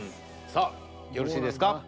さあよろしいですか。